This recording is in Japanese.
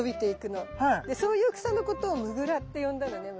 でそういう草のことをムグラって呼んだのね昔。